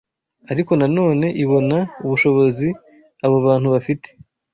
Ariko na none ibona ubushobozi abo bantu bafite